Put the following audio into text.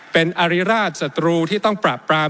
เป็นอริราชศัตรูที่ต้องปราบปราม